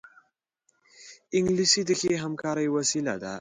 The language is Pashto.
انګلیسي د ښې همکارۍ وسیله ده